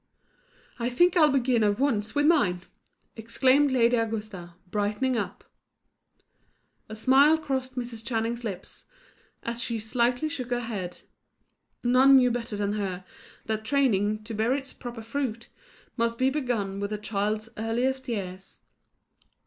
"I think I'll begin at once with mine," exclaimed Lady Augusta, brightening up. A smile crossed Mrs. Channing's lips, as she slightly shook her head. None knew better than she, that training, to bear its proper fruit, must be begun with a child's earliest years.